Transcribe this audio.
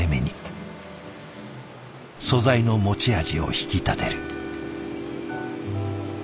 素材の持ち味を引き立てる。